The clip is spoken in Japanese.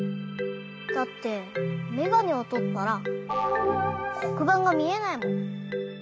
だってめがねをとったらこくばんがみえないもん。